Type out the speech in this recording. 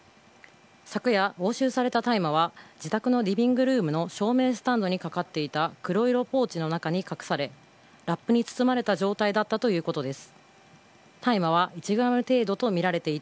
昨夜押収された大麻は自宅のリビングルームの照明スタンドにかかっていた黒色ポーチの中に隠され、ラップに包まれた状態だったということです。